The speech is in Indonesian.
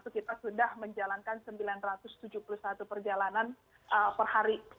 sejak tanggal satu kita sudah menjalankan sembilan ratus tujuh puluh satu perjalanan per hari